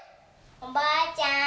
おばあちゃん。